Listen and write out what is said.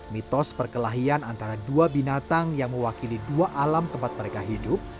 mitos perkelahian antara dua binatang yang mewakili dua alam tempat mereka hidup